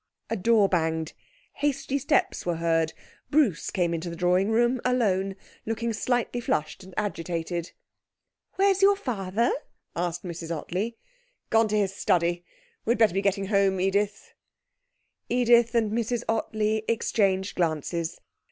A door banged, hasty steps were heard. Bruce came into the drawing room alone, looking slightly flushed and agitated. 'Where's your father?' asked Mrs Ottley. 'Gone to his study.... We'd better be getting home, Edith.' Edith and Mrs Ottley exchanged glances.